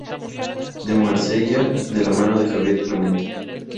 De Marsella de la mano de Javier Clemente.